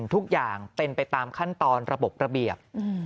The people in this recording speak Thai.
ทุกอย่างเป็นไปตามขั้นตอนระบบระเบียบ